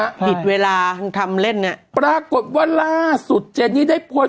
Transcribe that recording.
ผิดเวลาทำเล่นเนี้ยปรากฏว่าล่าสุดเจนี่ได้โพสต์